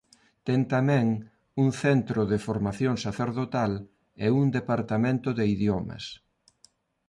Ten tamén un Centro de Formación Sacerdotal e un Departamento de Idiomas.